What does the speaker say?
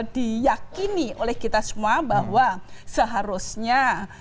diyakini oleh kita semua bahwa seharusnya